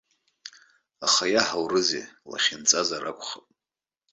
Аха иаҳурызеи, лахьынҵазар акәхап.